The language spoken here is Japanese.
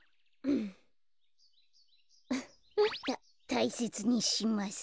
たたいせつにします。